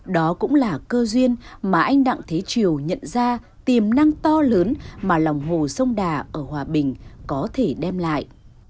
đó cũng là cơ duyên mà anh đặng thế triều nhận ra tiềm năng to lớn mà lòng hồ sông đà ở hòa bình có thể đem lại